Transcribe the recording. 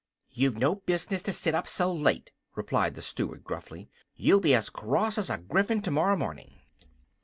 "You've no business to sit up so late," replied the Steward, gruffly. "You'll be as cross as a griffin tomorrow morning."